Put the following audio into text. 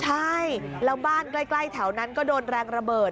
ใช่แล้วบ้านใกล้แถวนั้นก็โดนแรงระเบิด